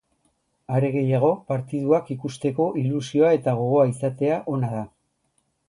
Are gehiago, partiduak ikusteko ilusioa eta gogoa izatea ona da.